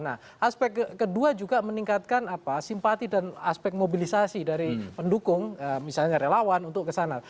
nah aspek kedua juga meningkatkan simpati dan aspek mobilisasi dari pendukung misalnya relawan untuk kesana